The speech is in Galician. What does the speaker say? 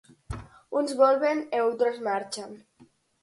Uns volven e outros marchan.